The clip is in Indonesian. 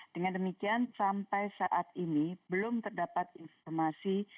dengan demikian sampai saat ini belum terdapat informasi